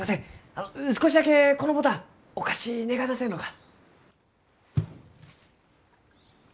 あの少しだけこの牡丹お貸し願えませんろうか？